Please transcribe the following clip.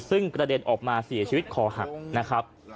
ซึ่งกระเด็นออกมาเสียชีวิตคอหักนะครับ